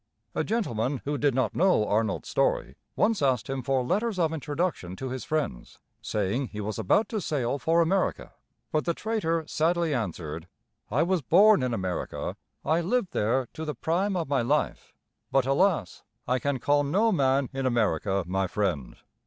A gentleman who did not know Arnold's story once asked him for letters of introduction to his friends, saying he was about to sail for America. But the traitor sadly answered: "I was born in America; I lived there to the prime of my life; but, alas! I can call no man in America my friend."